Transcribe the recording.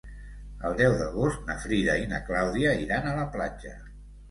El deu d'agost na Frida i na Clàudia iran a la platja.